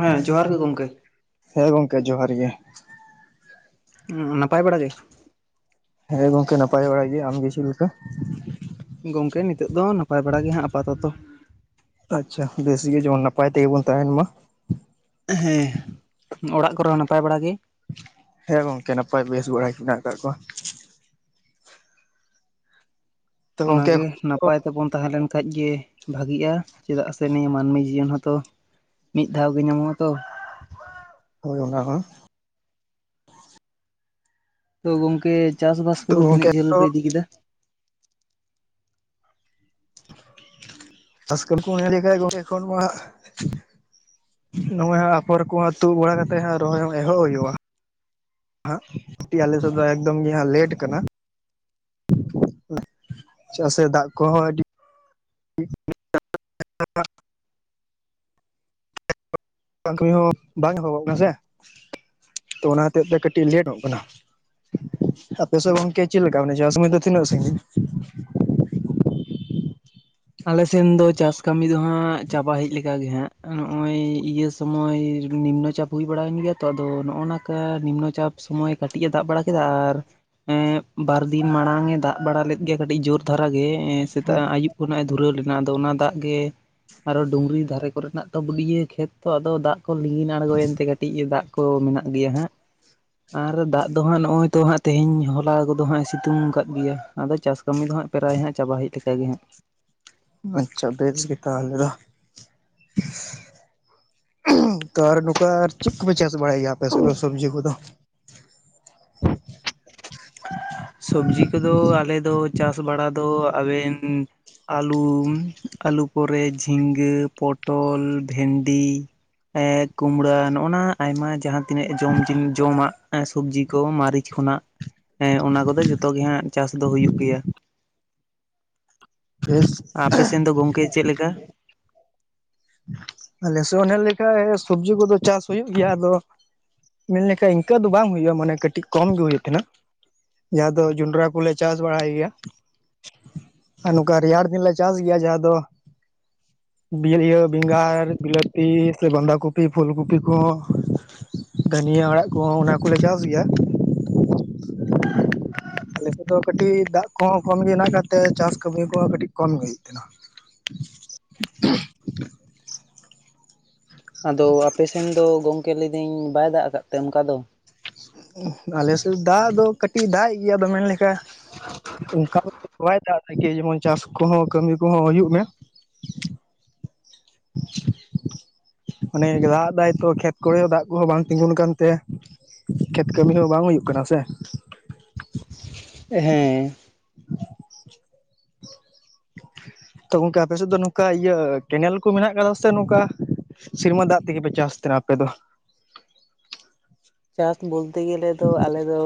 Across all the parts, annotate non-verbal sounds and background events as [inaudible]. ᱦᱮᱸ ᱡᱚᱦᱟᱨ ᱜᱮ ᱜᱚᱢᱠᱮ᱾ ᱦᱮᱸ ᱜᱚᱝᱠᱮ ᱡᱚᱦᱟᱨ ᱜᱮ᱾ ᱱᱟᱯᱟᱭ ᱵᱟᱲᱟ ᱜᱮ? ᱦᱮᱸ ᱜᱚᱝᱠᱮ ᱱᱟᱯᱟᱭ ᱵᱟᱲᱟ ᱜᱮ, ᱟᱢ ᱜᱮ ᱪᱮᱫ ᱞᱮᱠᱟ? ᱜᱚᱝᱠᱮ ᱱᱤᱛᱚᱜ ᱫᱚ ᱱᱟᱯᱟᱭ ᱵᱟᱲᱟ ᱜᱮ ᱦᱟᱸᱜ ᱟᱯᱟᱛᱚᱛᱚ᱾ ᱟᱪᱪᱷᱟ ᱵᱮᱥ ᱜᱮ ᱡᱮᱢᱚᱱ ᱱᱟᱯᱟᱭ ᱛᱮᱜᱮ ᱵᱚᱱ ᱛᱟᱦᱮᱱ ᱢᱟ᱾ ᱦᱮᱸ, ᱚᱲᱟᱜ ᱠᱚᱨᱮ ᱦᱚᱸ ᱱᱟᱯᱟᱭ ᱵᱟᱲᱟ ᱜᱮ? ᱦᱮᱸ ᱜᱚᱝᱠᱮ, ᱱᱟᱯᱟᱭ ᱵᱮᱥ ᱵᱟᱲᱟ ᱜᱮ ᱢᱮᱱᱟᱜ ᱟᱠᱟᱫ ᱠᱚᱣᱟ᱾ ᱛᱚ ᱜᱚᱝᱠᱮ ᱚᱱᱟᱜᱮ ᱱᱟᱯᱟᱭ ᱛᱮᱵᱚᱱ ᱛᱟᱦᱮᱸ ᱞᱮᱱ ᱠᱷᱟᱡ ᱜᱮ ᱵᱷᱟᱜᱤᱜᱼᱟ ᱪᱮᱫᱟᱜ ᱥᱮ ᱱᱤᱭᱟᱹ ᱢᱟᱹᱱᱢᱤ ᱡᱤᱭᱚᱱ ᱦᱚᱸᱛᱚ ᱢᱤᱫ ᱫᱷᱟᱣ ᱜᱮ ᱧᱟᱢᱚᱜᱼᱟ ᱛᱚ᱾ ᱦᱳᱭ ᱚᱱᱟ ᱦᱚᱸ, ᱛᱚ ᱜᱚᱝᱠᱮ ᱪᱟᱥ ᱵᱟᱥ ᱛᱚ ᱠᱚᱫᱚ ᱛᱤᱱᱟᱹᱜ ᱜᱚᱝᱠᱮ ᱡᱷᱟᱹᱞ ᱯᱮ ᱤᱫᱤ ᱠᱮᱫᱟ? ᱪᱟᱥ ᱠᱟᱢᱤ ᱠᱚ ᱞᱟᱹᱭ ᱞᱮᱠᱷᱟᱡ ᱜᱚᱝᱠᱮ ᱮᱠᱷᱚᱱ ᱢᱟᱦᱟᱜ ᱱᱚᱜᱼᱚᱭ ᱦᱟᱸᱜ ᱟᱯᱷᱚᱨ ᱠᱚᱦᱚᱸ ᱛᱩᱫ ᱵᱟᱲᱟ ᱠᱟᱛᱮᱜ ᱦᱟᱸᱜ ᱨᱚᱦᱚᱭ ᱦᱚᱸ ᱮᱦᱚᱵ ᱦᱩᱭᱩᱜᱼᱟ᱾ ᱦᱟᱸᱜ ᱠᱟᱴᱤᱡ ᱟᱞᱮᱥᱮᱱ ᱫᱚ ᱮᱠᱫᱚᱢ ᱜᱮ ᱦᱟᱸᱜ ᱞᱮᱴ ᱠᱟᱱᱟ᱾ ᱪᱮᱫᱟᱜ ᱥᱮ ᱫᱟᱜ ᱠᱚᱦᱚᱸ ᱟᱹᱰᱤ [unintelligible] ᱠᱟᱹᱢᱤ ᱦᱚᱸ ᱵᱟᱝ ᱮᱦᱚᱵᱚᱜ ᱠᱟᱱᱟ ᱥᱮ ᱛᱚ ᱚᱱᱟ ᱦᱚᱛᱮᱡ ᱛᱮ ᱠᱟᱹᱴᱤᱡ ᱞᱮᱴᱚᱜ ᱠᱟᱱᱟ᱾ ᱟᱯᱮ ᱥᱮᱫ ᱜᱚᱝᱠᱮ ᱪᱮᱫ ᱞᱮᱠᱟ ᱢᱮ ᱢᱟᱱᱮ [unintelligible] ᱥᱚᱢᱚᱭ ᱫᱚ ᱛᱤᱱᱟᱹᱜ ᱥᱟᱺᱜᱤᱧᱟ? ᱟᱞᱮᱥᱮᱱ ᱫᱚ ᱪᱟᱥ ᱠᱟᱹᱢᱤ ᱫᱚ ᱦᱟᱸᱜ ᱪᱟᱵᱟ ᱦᱮᱡ ᱞᱮᱠᱟ ᱜᱮ ᱦᱟᱸᱜ᱾ ᱱᱚᱜᱼᱚᱭ ᱤᱭᱟᱹ ᱥᱚᱢᱚᱭ ᱱᱤᱢᱱᱚ ᱪᱟᱯ ᱦᱩᱭ ᱵᱟᱲᱟᱭᱮᱱ ᱜᱮᱭᱟ ᱛᱚ ᱟᱫᱚ ᱱᱚᱜᱼᱚ ᱱᱚᱝᱠᱟ ᱱᱤᱢᱱᱚ ᱪᱟᱯ ᱥᱚᱢᱚᱭ ᱠᱟᱹᱴᱤᱡ-ᱮ ᱫᱟᱜ ᱵᱟᱲᱟ ᱠᱮᱫᱟ ᱟᱨ ᱮᱸ ᱵᱟᱨᱫᱤᱱ ᱢᱟᱲᱟᱝ ᱮ ᱫᱟᱜ ᱵᱟᱲᱟ ᱞᱮᱫ ᱜᱮᱭᱟ ᱠᱟᱹᱴᱤᱡ ᱡᱳᱨ ᱫᱷᱟᱨᱟ ᱜᱮ ᱥᱮᱛᱟᱜ ᱟᱹᱭᱩᱵ ᱠᱷᱚᱱᱟᱜ ᱮ ᱫᱷᱩᱨᱟᱹᱣ ᱞᱮᱱᱟ, ᱟᱫᱚ ᱚᱱᱟ ᱫᱟᱜ ᱜᱮ ᱟᱨᱚ ᱰᱩᱝᱨᱤ ᱫᱷᱟᱨᱮ ᱠᱚᱨᱮᱱᱟᱜ ᱛᱚ ᱵᱩᱰᱭᱟᱹ ᱠᱷᱮᱛ ᱛᱚ ᱟᱫᱚ ᱫᱟᱜ ᱠᱚ ᱞᱤᱸᱜᱤᱱ ᱟᱬᱜᱚᱭᱮᱱ ᱛᱮ ᱠᱟᱹᱴᱤᱡ ᱫᱟᱜ ᱠᱚ ᱢᱮᱱᱟᱜ ᱜᱮᱭᱟ ᱦᱟᱸᱜ ᱟᱨ ᱫᱟᱜ ᱫᱚ ᱦᱟᱸᱜ ᱱᱚᱜᱼᱚᱭ ᱛᱚ ᱦᱟᱸᱜ ᱛᱮᱦᱮᱧ ᱦᱚᱞᱟ ᱠᱚᱫᱚ ᱦᱟᱸᱜ-ᱮ ᱥᱤᱛᱩᱝ ᱟᱠᱟᱫ ᱜᱮᱭᱟ, ᱟᱫᱚ ᱪᱟᱥ ᱠᱟᱹᱢᱤ ᱫᱚ ᱦᱟᱸᱜ ᱯᱨᱟᱭ ᱦᱟᱸᱜ ᱪᱟᱵᱟ ᱦᱮᱡ ᱞᱮᱠᱟ ᱜᱮ᱾ ᱟᱪᱪᱷᱟ ᱵᱮᱥ ᱜᱮ ᱛᱟᱦᱚᱞᱮ ᱫᱚ᱾ ᱛᱚ ᱟᱨ ᱱᱚᱝᱠᱟ ᱪᱮᱫ ᱠᱚᱯᱮ ᱪᱟᱥ ᱵᱟᱲᱟᱭ ᱜᱮᱭᱟ ᱟᱯᱮ ᱥᱮᱫ ᱫᱚ ᱥᱚᱵᱡᱤ ᱠᱚᱫᱚ᱾ [inaudible] ᱥᱚᱵᱽᱡᱤ ᱠᱚᱫᱚ ᱟᱞᱮ ᱫᱚ ᱪᱟᱥ ᱵᱟᱲᱟ ᱫᱚ ᱟᱵᱮᱱ ᱟᱹᱞᱩ, ᱟᱹᱞᱩ ᱯᱚᱨᱮ ᱡᱷᱤᱸᱜᱟᱹ, ᱯᱚᱴᱚᱞ, ᱵᱷᱮᱱᱰᱤ᱾ ᱮᱸ ᱠᱩᱢᱲᱟ ᱱᱚᱜᱼᱚ ᱱᱟ ᱟᱭᱢᱟ ᱡᱟᱦᱟᱸ ᱛᱤᱱᱟᱹᱜ ᱡᱚᱢ ᱡᱤᱢ ᱡᱚᱢᱟᱜ ᱥᱚᱵᱽᱡᱤ ᱠᱚ ᱢᱟᱨᱤᱪ ᱠᱷᱚᱱᱟᱜ, ᱮᱸ ᱚᱱᱟ ᱠᱚᱫᱚ ᱡᱚᱛᱚ ᱜᱮ ᱦᱟᱸᱜ ᱪᱟᱥ ᱫᱚ ᱦᱩᱭᱩᱜ ᱜᱮᱭᱟ᱾ ᱯᱷᱮᱥ ᱟᱯᱮ ᱥᱮᱱ ᱫᱚ ᱜᱚᱝᱠᱮ ᱪᱮᱫ ᱞᱮᱠᱟ? ᱟᱞᱮ ᱥᱮᱫ ᱚᱱᱮ ᱞᱮᱠᱷᱟᱡ ᱥᱚᱵᱽᱡᱤ ᱠᱚᱫᱚ ᱪᱟᱥ ᱦᱩᱭᱩᱜ ᱜᱮᱭᱟ ᱟᱫᱚ ᱢᱮᱱᱞᱮᱠᱷᱟᱡ ᱤᱱᱠᱟᱹ ᱫᱚ ᱵᱟᱝ ᱦᱳᱭᱳᱜᱼᱟ ᱢᱟᱱᱮ ᱠᱟᱹᱴᱤᱡ ᱠᱚᱢ ᱜᱮ ᱦᱳᱭᱳᱜ ᱛᱮᱦᱮᱸᱱᱟ᱾ ᱡᱟᱦᱟᱸ ᱫᱚ ᱡᱚᱱᱰᱨᱟ ᱠᱚᱞᱮ ᱪᱟᱥ ᱵᱟᱲᱟᱭ ᱜᱮᱭᱟ᱾ ᱟᱨ ᱱᱚᱠᱟ ᱨᱮᱭᱟᱲ ᱫᱤᱱᱞᱮ ᱪᱟᱥ ᱜᱮᱭᱟ ᱡᱟᱦᱟᱸ ᱫᱚ ᱵᱤᱨᱤᱭᱟᱹ ᱵᱮᱸᱜᱟᱲ ᱵᱤᱞᱟᱹᱛᱤ ᱥᱮ ᱵᱟᱸᱫᱷᱟ ᱠᱚᱯᱤ ᱯᱷᱩᱞ ᱠᱚᱯᱤ ᱠᱚᱦᱚᱸ ᱫᱷᱟᱹᱱᱤᱭᱟᱹ ᱟᱲᱟᱜ ᱠᱚᱦᱚᱸ ᱚᱱᱟ ᱠᱚᱞᱮ ᱪᱟᱥ ᱜᱮᱭᱟ᱾ ᱟᱞᱮᱥᱮᱫ ᱫᱚ ᱠᱟᱹᱴᱤᱡ ᱫᱟᱜ ᱠᱚᱦᱚᱸ ᱠᱚᱢᱜᱮ ᱦᱮᱱᱟᱜ ᱠᱟᱫ ᱛᱮ ᱪᱟᱥ ᱠᱟᱹᱢᱤ ᱠᱚᱦᱚᱸ ᱠᱟᱹᱴᱤᱡ ᱠᱚᱢᱜᱮ ᱦᱩᱭᱩᱜ ᱛᱟᱦᱮᱸᱱᱟ᱾ ᱟᱫᱚ ᱟᱯᱮ ᱥᱮᱱ ᱫᱚ ᱜᱚᱝᱠᱮ ᱞᱟᱹᱭ ᱫᱟᱹᱧ ᱵᱟᱭ ᱫᱟᱜ ᱠᱟᱫ ᱛᱮ ᱚᱱᱠᱟ ᱫᱚ? ᱟᱞᱮ ᱥᱮᱫ ᱫᱟᱜ ᱫᱚ ᱠᱟᱹᱴᱤᱡ ᱫᱟᱜ ᱮᱫ ᱜᱮᱭᱟ ᱟᱫᱚ ᱢᱮᱱ ᱞᱮᱠᱟ ᱚᱱᱠᱟ ᱫᱚ ᱵᱟᱭ ᱫᱟᱜ ᱫᱟᱠᱤ ᱡᱮᱢᱚᱱ ᱪᱟᱥ ᱠᱚᱦᱚᱸ ᱠᱟᱹᱢᱤ ᱠᱚᱦᱚᱸ ᱦᱩᱭᱩᱜ ᱢᱮ? [inaudible] ᱢᱟᱱᱮ ᱫᱟᱜ ᱫᱟᱭ ᱛᱚ ᱠᱷᱮᱛ ᱠᱚᱨᱮ ᱫᱟᱜ ᱠᱚᱦᱚᱸ ᱵᱟᱝ ᱛᱤᱸᱜᱩᱱ ᱠᱟᱱᱛᱮ ᱠᱷᱮᱛ ᱠᱟᱹᱢᱤ ᱦᱚᱸ ᱵᱟᱝ ᱦᱩᱭᱩᱜ ᱠᱟᱱᱟ ᱥᱮ᱾ ᱦᱮᱸ᱾ ᱛᱚ ᱜᱚᱝᱠᱮ ᱟᱯᱮ ᱥᱮᱫ ᱫᱚ ᱱᱚᱠᱟ ᱤᱭᱟᱹ ᱠᱮᱱᱮᱞ ᱠᱚ ᱢᱮᱱᱟᱜ ᱠᱟᱫᱟ ᱥᱮ ᱱᱚᱠᱟ ᱥᱤᱨᱢᱟ ᱫᱟᱜ ᱛᱤᱜᱤᱯᱮ ᱪᱟᱥ ᱛᱟᱦᱮᱱᱟ ᱟᱯᱮ ᱫᱚ? ᱪᱟᱥ ᱵᱚᱞᱛᱮ ᱜᱮᱞᱮ ᱫᱚ ᱟᱞᱮᱫᱚ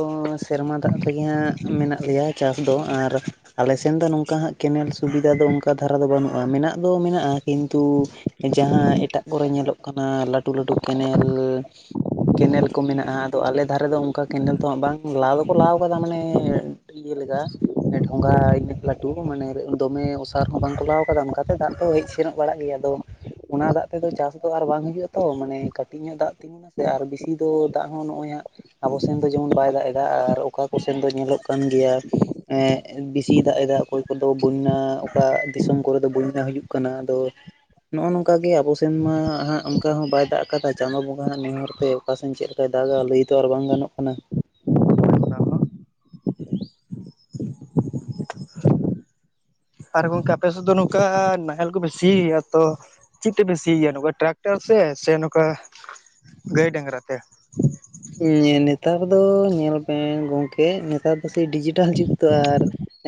ᱥᱮᱨᱢᱟ ᱫᱟᱜ ᱛᱮᱜᱮ ᱦᱟᱸᱜ ᱢᱮᱱᱟᱜ ᱞᱮᱭᱟ ᱪᱟᱥ ᱫᱚ ᱟᱨ ᱟᱞᱮ ᱥᱮᱱ ᱫᱚ ᱱᱚᱝᱠᱟ ᱦᱟᱸᱜ ᱠᱮᱱᱮᱞ ᱥᱩᱵᱤᱫᱷᱟ ᱫᱚ ᱚᱱᱠᱟ ᱫᱷᱟᱨᱟ ᱫᱚ ᱵᱟᱹᱱᱩᱜᱼᱟ ᱢᱮᱱᱟᱜ ᱫᱚ ᱢᱮᱱᱟᱜᱼᱟ ᱠᱤᱱᱛᱩ ᱡᱟᱦᱟᱸ ᱮᱴᱟᱜ ᱠᱚᱨᱮ ᱧᱮᱞᱚᱜ ᱠᱟᱱᱟ ᱞᱟᱹᱴᱩ ᱞᱟᱹᱴᱩ ᱠᱮᱱᱮᱞ ᱠᱮᱱᱮᱞ ᱠᱚ ᱢᱮᱱᱟᱜᱼᱟ ᱟᱫᱚ ᱟᱞᱮ ᱫᱷᱟᱨᱮ ᱫᱚ ᱚᱱᱠᱟ ᱠᱮᱱᱮᱞ ᱫᱚ ᱦᱟᱸᱜ ᱵᱟᱝ ᱞᱟ ᱫᱚᱠᱚ ᱞᱟᱣ ᱠᱟᱫᱟ ᱢᱟᱱᱮ ᱤᱭᱟᱹ ᱞᱮᱠᱟ ᱰᱷᱚᱸᱜᱟ ᱤᱱᱟᱹᱜ ᱞᱟᱹᱴᱩ ᱢᱟᱱᱮ ᱫᱚᱢᱮ ᱚᱥᱟᱨ ᱦᱚᱸ ᱵᱟᱝᱠᱚ ᱞᱟᱣ ᱠᱟᱫᱟ ᱚᱱᱠᱟᱛᱮ ᱫᱟᱜ ᱫᱚ ᱦᱮᱡ ᱥᱮᱱᱚᱜ ᱵᱟᱲᱟᱜ ᱜᱮᱭᱟ ᱟᱫᱚ ᱚᱱᱟ ᱫᱟᱜ ᱛᱮᱫᱚ ᱪᱟᱥ ᱫᱚ ᱟᱨ ᱵᱟᱝ ᱦᱩᱭᱩᱜᱼᱟ ᱛᱚ ᱢᱟᱱᱮ ᱠᱟᱹᱴᱤᱡ ᱧᱚᱜ ᱫᱟᱜ ᱛᱤᱸᱜᱩᱱᱟ ᱥᱮ ᱟᱨ ᱵᱤᱥᱤ ᱛᱳ ᱫᱟᱜ ᱦᱚᱸ ᱱᱚᱜᱼᱚᱭ ᱦᱟᱸᱜ ᱟᱵᱚ ᱥᱮᱱ ᱫᱚ ᱡᱮᱢᱚᱱ ᱵᱟᱭ ᱫᱟᱜ ᱮᱫᱟ ᱟᱨ ᱚᱠᱟ ᱠᱚ ᱥᱮᱱ ᱫᱚ ᱧᱮᱞᱚᱜ ᱠᱟᱱ ᱜᱮᱭᱟ ᱮᱸᱜ ᱵᱤᱥᱤᱭ ᱫᱟᱜ ᱮᱫᱟ ᱚᱠᱚᱭ ᱠᱚᱫᱚ ᱵᱳᱭᱱᱟ ᱚᱠᱟ ᱫᱤᱥᱚᱢ ᱠᱚᱨᱮ ᱫᱚ ᱵᱳᱭᱱᱟ ᱦᱩᱭᱩᱜ ᱠᱟᱱᱟ ᱟᱫᱚ ᱱᱚᱜᱼᱚ ᱱᱚᱝᱠᱟ ᱜᱮ ᱟᱵᱚ ᱥᱮᱱᱢᱟ ᱦᱟᱸᱜ ᱚᱱᱠᱟ ᱦᱚᱸ ᱵᱟᱭ ᱫᱟᱜ ᱟᱠᱟᱫᱟ ᱪᱟᱸᱫᱚ ᱵᱚᱸᱜᱟ ᱦᱟᱸᱜ ᱱᱮᱦᱚᱨ ᱛᱮ ᱚᱠᱟᱥᱮᱱ ᱪᱮᱫ ᱞᱮᱠᱟᱭ ᱫᱟᱜᱟ ᱞᱟᱹᱭ ᱛᱚ ᱟᱨ ᱵᱟᱝ ᱜᱟᱱᱚᱜ ᱠᱟᱱᱟ᱾ ᱟᱨ ᱜᱚᱝᱠᱮ ᱟᱯᱮ ᱥᱮᱫ ᱫᱚ ᱱᱚᱝᱠᱟ ᱱᱟᱦᱮᱞ ᱠᱚᱯᱮ ᱥᱤᱭᱟ ᱛᱚ? ᱪᱤᱫ ᱛᱮᱯᱮ ᱥᱤᱭ ᱜᱮᱭᱟ ᱱᱚᱠᱟ ᱴᱨᱟᱠᱴᱟᱨ ᱥᱮ ᱥᱮ ᱱᱚᱠᱟ ᱜᱟᱹᱭ ᱰᱟᱝᱨᱟ ᱛᱮ? ᱱᱤᱛᱟᱨ ᱫᱚ ᱧᱮᱞ ᱢᱮ ᱜᱚᱝᱠᱮ ᱱᱮᱛᱟᱨ ᱫᱚ ᱥᱮ ᱰᱤᱡᱤᱴᱟᱞ ᱡᱩᱜᱽ ᱛᱚ ᱟᱨ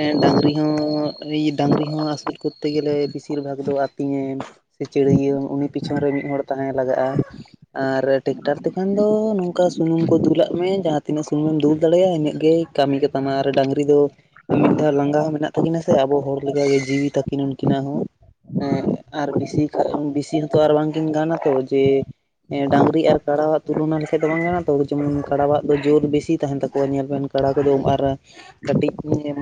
ᱮᱸ ᱰᱟᱝ ᱨᱤ ᱦᱚᱸ ᱨᱤ ᱰᱟᱝᱨᱤ ᱦᱚᱸ ᱟᱹᱥᱩᱞ ᱠᱚᱨᱛᱮ ᱜᱮᱞᱮ ᱵᱮᱥᱤᱨ ᱵᱷᱟᱜᱽ ᱫᱚ ᱟᱹᱛᱤᱧᱮ ᱥᱮ ᱪᱤᱲᱭᱟᱹ ᱩᱱᱤ ᱯᱤᱪᱷᱚᱱ ᱨᱮ ᱢᱤᱫ ᱦᱚᱲ ᱛᱟᱦᱮᱸ ᱞᱟᱜᱟᱜᱼᱟ ᱟᱨ ᱴᱮᱠᱴᱟᱨ ᱛᱮᱠᱷᱟᱱ ᱫᱚ ᱱᱚᱝ ᱚᱱᱠᱟ ᱥᱩᱱᱩᱢ ᱠᱚ ᱫᱩᱞᱟᱜ ᱢᱮ ᱡᱟᱦᱟᱸ ᱛᱤᱱᱟᱹᱜ ᱥᱩᱱᱩᱢᱮᱢ ᱫᱩᱞ ᱫᱟᱲᱮᱭᱟᱜᱼᱟ ᱤᱱᱟᱹᱜ ᱜᱮᱭ ᱠᱟᱹᱢᱤ ᱠᱟᱛᱟᱢᱟ ᱟᱨ ᱰᱟᱝᱨᱤ ᱫᱚ ᱢᱤᱫ ᱫᱷᱟᱣ ᱞᱟᱸᱜᱟ ᱦᱚᱸ ᱢᱮᱱᱟᱜ ᱛᱟᱹᱠᱤᱱᱟ ᱥᱮ ᱟᱵᱚ ᱦᱚᱲ ᱞᱮᱠᱟᱜᱮ ᱡᱤᱣᱤ ᱛᱟᱹᱠᱤᱱ ᱩᱱᱠᱤᱱᱟᱜ ᱦᱚᱸ᱾ ᱮᱸᱜ ᱟᱨ ᱵᱮᱥᱤ ᱵᱮᱥᱤ ᱦᱚᱸᱛᱚ ᱟᱨ ᱵᱟᱝᱠᱤᱱ ᱜᱟᱱᱟ ᱛᱚ ᱡᱮ ᱮᱸ ᱰᱟᱝᱨᱤ ᱟᱨ ᱠᱟᱲᱟᱣᱟᱜ ᱛᱩᱞᱚᱱᱟ ᱞᱮ ᱪᱮᱫ ᱵᱟᱝ ᱠᱟᱱᱟ ᱛᱚ ᱡᱮᱢᱚᱱ ᱠᱟᱰᱟᱣᱟᱜ ᱫᱚ ᱡᱳᱨ ᱵᱮᱥᱤ ᱛᱟᱦᱮᱱ ᱛᱟᱠᱚᱣᱟ ᱧᱮᱞ ᱵᱮᱱ ᱠᱟᱲᱟ ᱠᱚᱫᱚ ᱟᱨ ᱠᱟᱹᱴᱤᱡ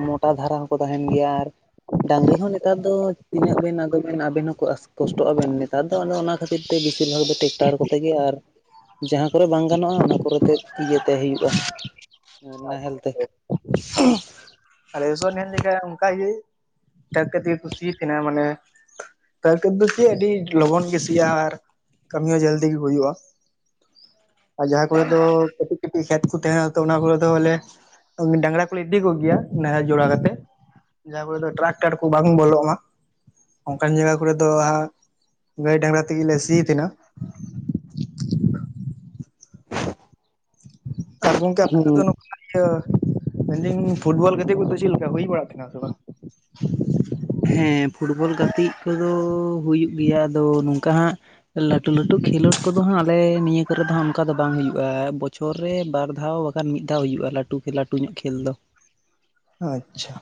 ᱢᱳᱴᱟ ᱫᱷᱟᱨᱟ ᱦᱚᱸᱠᱚ ᱛᱟᱦᱮᱱ ᱜᱮᱭᱟ ᱟᱨ ᱰᱟᱝᱨᱤ ᱦᱚᱸ ᱱᱮᱛᱟᱨ ᱫᱚ ᱛᱤᱱᱟᱹᱜ ᱵᱮᱱ ᱟᱫᱚ ᱵᱮᱱ ᱟᱵᱮᱱ ᱦᱚᱸᱠᱚ ᱟᱥ ᱠᱚᱥᱴᱚᱜ ᱟᱵᱮᱱ ᱱᱮᱛᱟᱨ ᱫᱚ ᱟᱫᱚ ᱚᱱᱟ ᱠᱷᱟᱹᱛᱤᱨ ᱛᱮ ᱵᱮᱥᱤᱨ ᱵᱷᱟᱜ ᱫᱚ ᱴᱮᱠᱴᱟᱨ ᱠᱚᱛᱮ ᱜᱮ ᱟᱨ ᱡᱟᱦᱟᱸ ᱠᱚᱨᱮ ᱵᱟᱝ ᱜᱟᱱᱚᱜᱼᱟ ᱚᱱᱟ ᱠᱚᱨᱮᱛᱮ ᱤᱭᱟᱹᱛᱮ ᱦᱩᱭᱩᱜᱼᱟ ᱱᱟᱦᱮᱞ ᱛᱮ᱾ ᱟᱞᱮ ᱥᱮᱫ ᱦᱚ ᱧᱮᱞ ᱞᱮᱠᱷᱟᱡ ᱚᱱᱠᱟᱜᱤ ᱴᱟᱠᱴᱟᱹᱨ ᱛᱮ ᱠᱚ ᱥᱤ ᱮᱫ ᱛᱟᱦᱮᱱᱟ ᱢᱟᱱᱮ [unintelligible] ᱟᱹᱰᱤ ᱞᱚᱜᱚᱱ ᱜᱮ ᱥᱤᱭᱟ ᱟᱨ ᱠᱟᱹᱢᱤ ᱦᱚᱸ ᱡᱚᱞᱫᱤ ᱜᱮ ᱦᱩᱭᱩᱜᱼᱟ᱾ [inaudible] ᱟᱨ ᱡᱟᱦᱟᱸ ᱠᱚᱨᱮ ᱫᱚ ᱠᱟᱹᱴᱤᱡ ᱠᱟᱹᱴᱤᱡ ᱠᱷᱮᱛ ᱠᱚ ᱛᱟᱦᱮᱸᱱᱟ ᱛᱚ ᱚᱱᱟ ᱠᱚᱨᱮ ᱫᱚ ᱵᱚᱞᱮ ᱰᱟᱝᱨᱟ ᱠᱚᱞᱮ ᱤᱫᱤ ᱠᱚ ᱜᱮᱭᱟ᱾ ᱱᱟᱦᱮᱞ ᱡᱚᱲᱟ ᱠᱟᱛᱮᱜ ᱡᱟᱦᱟᱸ ᱠᱚᱨᱮ ᱫᱚ ᱴᱨᱟᱠᱴᱟᱨ ᱠᱚ ᱵᱟᱝ ᱵᱚᱞᱚᱜᱼᱟ᱾ ᱚᱱᱠᱟᱱ ᱡᱟᱭᱜᱟ ᱟᱸ ᱜᱟᱹᱭ ᱰᱟᱝᱨᱟ ᱛᱮᱜᱮᱞᱮ ᱥᱤ ᱮᱫ ᱛᱟᱦᱮᱱᱟ᱾ ᱟᱨ ᱜᱚᱝᱠᱮ ᱟᱯᱮ ᱦᱩᱸ ᱥᱮᱫ ᱫᱚ ᱱᱩᱠᱩ, ᱤᱭᱟᱹ ᱢᱮᱱᱫᱟᱹᱧ ᱯᱷᱩᱴᱵᱚᱞ ᱜᱮᱫᱤ ᱠᱚᱫᱚ ᱪᱮᱜ ᱞᱮᱠᱟ ᱦᱩᱭ ᱵᱟᱲᱟᱜ ᱠᱟᱱᱟ ᱥᱮ ᱵᱟᱝ? ᱦᱮᱸ ᱯᱷᱩᱴᱵᱚᱞ ᱜᱟᱛᱮᱜ ᱠᱚᱫᱚ ᱦᱩᱭᱩᱜ ᱜᱮᱭᱟ ᱟᱫᱚ ᱱᱚᱝᱠᱟ ᱦᱟᱸᱜ ᱞᱟᱹᱴᱩ ᱞᱟᱹᱴᱩ ᱠᱷᱮᱞᱚᱰ ᱠᱚᱫᱚ ᱦᱟᱸᱜ ᱟᱞᱮ ᱱᱤᱭᱟᱹ ᱠᱚ ᱨᱮ ᱫᱚ ᱦᱟᱸᱜ ᱚᱱᱠᱟ ᱫᱚ ᱵᱟᱝ ᱦᱩᱭᱩᱜᱼᱟ ᱵᱚᱪᱷᱚᱨ ᱨᱮ ᱵᱟᱨ ᱫᱷᱟᱣ ᱵᱟᱠᱷᱟᱱ ᱢᱤᱫ ᱫᱷᱟᱣ ᱦᱩᱭᱩᱜᱼᱟ ᱞᱟᱹᱴᱩ ᱠᱮ ᱞᱟᱹᱴᱩ ᱧᱚᱜ ᱠᱷᱮᱞ ᱫᱚ᱾ ᱟᱪᱪᱷᱟ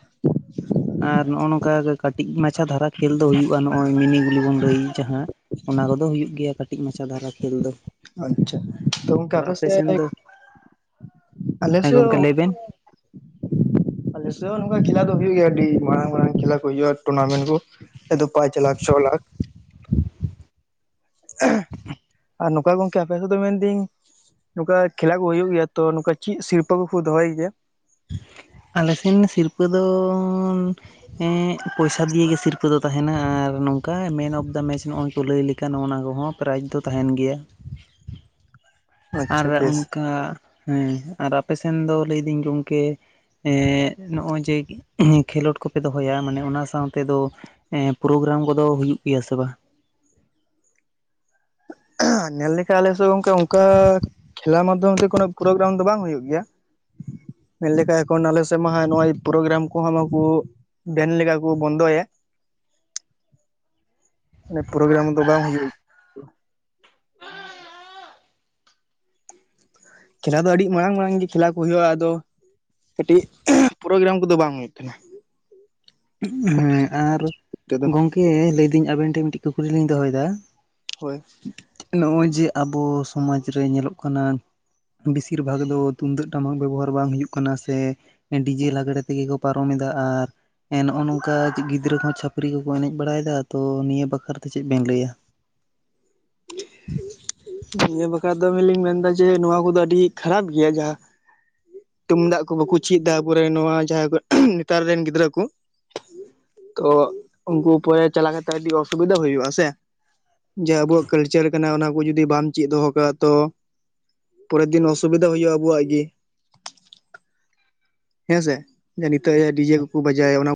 ᱟᱨ ᱱᱚᱜ ᱱᱚᱝᱠᱟ ᱠᱟᱹᱴᱤᱡ ᱢᱟᱪᱷᱟ ᱫᱷᱟᱨᱟ ᱠᱷᱮᱞ ᱫᱚ ᱦᱩᱭᱩᱜᱼᱟ ᱱᱚᱜᱼᱚᱭ ᱢᱤᱱᱤ ᱜᱩᱞᱤ ᱵᱚᱱ ᱞᱟᱹᱭ ᱡᱟᱦᱟᱸ᱾ ᱚᱱᱟ ᱠᱚᱫᱚ ᱦᱩᱭᱩᱜ ᱜᱮᱭᱟ ᱠᱟᱹᱴᱤᱡ ᱢᱟᱪᱟ ᱫᱷᱟᱨᱟ ᱠᱷᱮᱞ ᱫᱚ᱾ ᱟᱪᱪᱷᱟ ᱛᱚ ᱜᱚᱝᱠᱮ ᱟᱨ ᱟᱯᱮ ᱥᱮᱫ ᱥᱮᱱ ᱫᱚ ᱟᱞᱮ ᱦᱮᱸ ᱥᱮᱫ ᱜᱚᱝᱠᱮ ᱞᱟᱹᱭ ᱵᱮᱱ᱾ [inaudible] ᱟᱞᱮ ᱥᱮᱜ ᱦᱚᱸ ᱱᱚᱝᱠᱟ ᱠᱷᱮᱞᱟ ᱫᱚ ᱦᱩᱭᱩᱜ ᱜᱮᱭᱟ ᱟᱹᱰᱤ ᱢᱟᱨᱟᱝ ᱢᱟᱨᱟᱝ ᱠᱷᱮᱞᱟ ᱠᱚ ᱦᱩᱭᱩᱜᱼᱟ ᱴᱩᱨᱱᱟᱢᱮᱱᱴ ᱠᱚ᱾ ᱟᱫᱚ ᱯᱟᱸᱪ ᱞᱟᱠᱷ ᱪᱷᱚ ᱞᱟᱠᱷ᱾ ᱟᱨ ᱱᱚᱝᱠᱟ ᱜᱚᱝᱠᱮ ᱟᱯᱮ ᱥᱮᱱ ᱫᱚ ᱢᱮᱱᱫᱟᱹᱧ, ᱱᱚᱝᱠᱟ ᱠᱷᱮᱞᱟ ᱠᱚ ᱦᱳᱭᱳ ᱜᱮᱭᱟᱚ ᱛᱚ ᱱᱚᱝᱠᱟ ᱪᱮᱜ ᱥᱤᱨᱯᱟᱹ ᱠᱚᱠᱚ ᱫᱚᱦᱚᱭ ᱜᱮᱭᱟ? ᱟᱞᱮᱥᱮᱱ ᱥᱤᱨᱯᱟᱹ ᱫᱚ ᱦᱮᱸᱜ ᱯᱩᱭᱥᱟ ᱫᱤᱭᱮ ᱜᱮ ᱥᱤᱨᱯᱟᱹ ᱫᱚ ᱮᱸᱜ ᱯᱚᱭᱥᱟ ᱫᱤᱭᱟ ᱜᱮ ᱥᱤᱨᱯᱟ ᱫᱚ ᱛᱟᱦᱮᱱᱟ ᱟᱨ ᱱᱚᱝᱠᱟ ᱢᱮᱱ ᱚᱯᱷ ᱫᱟ ᱢᱮᱪ ᱱᱚᱜᱼᱚᱭ ᱠᱚ ᱞᱟᱹᱭ ᱞᱮᱠᱟ ᱚᱱᱟ ᱠᱚᱦᱚᱸ᱾ ᱯᱨᱟᱭᱤᱡᱽ ᱫᱚ ᱛᱟᱦᱮᱱ ᱜᱮᱭᱟ᱾ ᱟᱨ ᱟᱪᱪᱷᱟ ᱵᱮᱥ ᱚᱱᱠᱟ ᱦᱮᱸ ᱟᱨ ᱟᱯᱮ ᱥᱮᱱ ᱫᱚ ᱞᱟᱹᱭ ᱫᱤᱹᱧ ᱜᱚᱝᱠᱮ ᱮᱸᱜ ᱱᱚᱜᱼᱚᱭ ᱡᱮ ᱠᱷᱮᱞᱳᱰ ᱠᱚᱯᱮ ᱫᱚᱦᱚᱭᱟ ᱢᱟᱱᱮ ᱚᱱᱟ ᱥᱟᱶᱛᱮ ᱫᱚ ᱦᱮᱸ ᱯᱨᱳᱜᱨᱟᱢ ᱠᱚᱫᱚ ᱦᱩᱭᱩᱜ ᱜᱮᱭᱟ ᱥᱮ ᱵᱟᱝ? ᱧᱮᱞ ᱞᱮᱠᱷᱟᱡ ᱟᱞᱮ ᱥᱮᱜ ᱜᱟᱝᱠᱮ ᱚᱝᱠᱟ - ᱠᱷᱮᱞᱟ ᱢᱟᱫᱽᱫᱷᱚᱢ ᱛᱮ ᱠᱳᱱᱳ ᱯᱨᱳᱜᱨᱟᱢ ᱫᱚ ᱵᱟᱝ ᱦᱩᱭᱩᱜ ᱜᱮᱭᱟ᱾ ᱢᱮᱱᱞᱮᱠᱷᱟᱡ ᱮᱠᱷᱚᱱ ᱟᱞᱮ ᱥᱮᱜ ᱢᱟ ᱦᱟᱸᱜ ᱱᱚᱜᱚᱭ ᱯᱨᱳᱜᱨᱟᱢ ᱠᱚᱦᱚᱸ ᱢᱟᱠᱩ ᱵᱮᱱ ᱞᱮᱠᱟ ᱠᱚ ᱵᱚᱱᱫᱚᱭᱮᱫ᱾ [inaudible] ᱱᱮ ᱯᱨᱳᱜᱨᱟᱢ ᱫᱚ ᱵᱟᱝ ᱦᱩᱭᱩᱜ ᱠᱷᱮᱞᱟ ᱫᱚ ᱟᱹᱰᱤᱜ ᱢᱟᱨᱟᱝ ᱢᱟᱨᱟᱝ ᱜᱮ ᱠᱷᱮᱞᱟ ᱠᱚ ᱦᱩᱭᱩᱜᱼᱟ ᱟᱫᱚ ᱠᱟᱹᱴᱤᱡ ᱯᱨᱳᱜᱨᱟᱢ ᱠᱚᱫᱚ ᱵᱟᱝ ᱦᱩᱭᱩᱜ ᱠᱟᱱᱟ᱾ ᱦᱮᱸ ᱟᱨ ᱛᱮᱫᱚ ᱜᱚᱝᱠᱮ ᱞᱟᱹᱭ ᱫᱟᱹᱧ ᱟᱵᱤᱱ ᱴᱷᱮᱡ ᱢᱤᱫᱴᱤᱡ ᱠᱩᱠᱞᱤ ᱞᱤᱧ ᱫᱚᱦᱚᱭᱮᱫᱟ᱾ ᱦᱳᱭ᱾ ᱱᱚᱜᱼᱚᱭ ᱡᱮ ᱟᱵᱚ ᱥᱚᱢᱟᱡᱽ ᱨᱮ ᱧᱮᱞᱚᱜ ᱠᱟᱱᱟ ᱵᱮᱥᱤᱨ ᱵᱷᱟᱜᱽ ᱫᱚ ᱛᱩᱢᱫᱟᱹᱜ ᱴᱟᱢᱟᱠ ᱵᱮᱵᱚᱦᱟᱨ ᱵᱟᱝ ᱦᱩᱭᱩᱜ ᱠᱟᱱᱟ ᱥᱮ ᱰᱤᱡᱮ ᱞᱟᱜᱽᱲᱮ ᱛᱮᱜᱮ ᱠᱚ ᱯᱟᱨᱚᱢ ᱮᱫᱟ ᱟᱨ ᱮᱸ ᱱᱚᱜᱼᱚ ᱱᱚᱝᱠᱟ ᱜᱤᱫᱽᱨᱟᱹ ᱠᱚᱦᱚᱸ ᱪᱷᱟᱯᱹᱨᱤ ᱠᱚᱠᱚ ᱮᱱᱮᱡ ᱵᱟᱲᱟᱭᱮᱫᱟ ᱛᱚ ᱱᱤᱭᱟᱹ ᱵᱟᱠᱷᱨᱟ ᱛᱮ ᱪᱮᱫ ᱵᱮᱱ ᱞᱟᱹᱭᱟ? ᱱᱤᱭᱟᱹ ᱵᱟᱠᱷᱨᱟ ᱫᱚ ᱵᱮᱥ ᱞᱤᱧ ᱢᱮᱱᱫᱟ ᱡᱮ ᱱᱚᱣᱟ ᱠᱚᱫᱚ ᱟᱹᱰᱤ ᱠᱷᱟᱨᱟᱯ ᱜᱮᱭᱟ ᱡᱟᱦᱟᱸ ᱛᱩᱢᱫᱟᱜ ᱠᱚ ᱵᱟᱠᱩ ᱪᱮᱜ ᱫᱟ ᱟᱵᱚᱨᱮᱱ ᱱᱚᱶᱟ ᱡᱟᱦᱟᱸᱭ ᱠᱚ ᱱᱮᱛᱟᱨ ᱨᱮᱱ ᱜᱤᱫᱽᱨᱟᱹ ᱠᱚ ᱛᱚ ᱩᱝᱠᱩ ᱯᱚᱨᱮ ᱪᱟᱞᱟ ᱠᱟᱛᱮ ᱟᱹᱰᱤ ᱚᱥᱩᱵᱤᱫᱟ ᱦᱩᱭᱩᱜ ᱟᱥᱮ᱾ ᱡᱮ ᱟᱵᱩᱣᱟᱜ ᱠᱟᱞᱪᱟᱨ ᱠᱟᱱᱟ ᱚᱱᱟ ᱠᱩ ᱡᱩᱚᱴᱫᱤ ᱵᱟᱢ ᱪᱮᱜ ᱫᱚᱦᱚ ᱠᱟᱜ-ᱟ ᱛᱚ ᱯᱚᱨᱮᱨ ᱫᱤᱱ ᱚᱥᱩᱵᱤᱫᱟ ᱦᱩᱭᱩᱜ-ᱟ ᱟᱵᱩᱣᱟᱜ ᱜᱮ᱾ ᱦᱮᱸᱥᱮ ᱡᱮ ᱱᱤᱛᱚᱜ ᱰᱤᱡᱮ ᱠᱚᱠᱚ ᱵᱟᱡᱟᱭ-ᱟ ᱚᱱᱟ ᱠᱩ